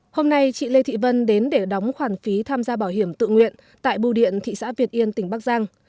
hôm nay chị lê thị vân đến để đóng khoản phí tham gia bảo hiểm tự nguyện tại bưu điện thị xã việt yên tỉnh bắc giang